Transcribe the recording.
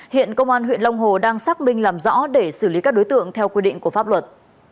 hiện công an huyện long hồ đang xác minh làm rõ để xử lý các đối tượng theo quy định của pháp luật